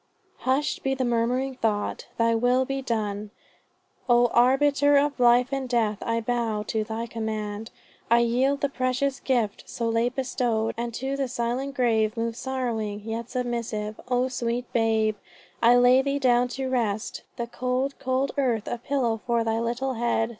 "Hush'd be the murmuring thought! Thy will be done O Arbiter of life and death. I bow To thy command I yield the precious gift So late bestowed; and to the silent grave Move sorrowing, yet submissive. O sweet babe! I lay thee down to rest the cold, cold earth A pillow for thy little head.